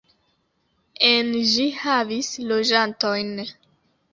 En ĝi havis loĝantojn.